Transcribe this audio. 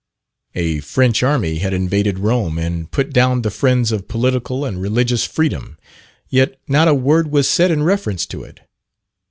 A French army had invaded Rome and put down the friends of political and religious freedom, yet not a word was said in reference to it.